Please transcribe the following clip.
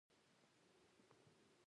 سپین پوسته اروپایان واکمن شول.